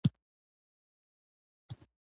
جرګه او مرکه د پښتنو پخواني او لرغوني رواجونه دي.